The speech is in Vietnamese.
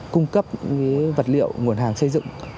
cung cấp vật liệu nguồn hàng xây dựng